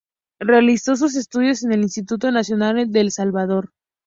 Realizó sus estudios en el Instituto Nacional de El Salvador.